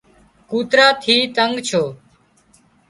ڪوترا ٿي تنڳ ڇو